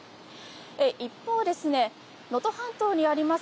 一方、能登半島にあります